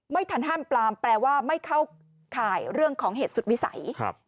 ไม่ทันห้ามปลามแปลว่าไม่เข้าข่ายเรื่องของเหตุสุดวิสัย